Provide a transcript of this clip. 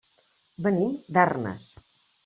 Venim d'Arnes.